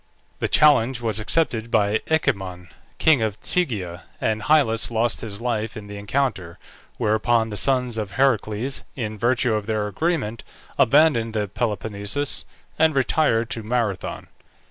The challenge was accepted by Echemon, king of Tegea, and Hyllus lost his life in the encounter, whereupon the sons of Heracles, in virtue of their agreement, abandoned the Peloponnesus and retired to Marathon.